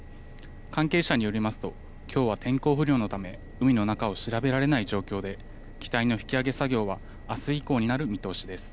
関係者によりますと今日は天候不良のため海の中を調べられない状況で機体の引き揚げ作業は明日以降になる見通しです。